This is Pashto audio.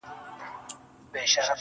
• هله تياره ده په تلوار راته خبري کوه.